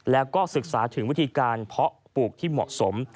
แล้วก็ศึกษาถึงวิธีการเพาะปลูกที่เหมาะสม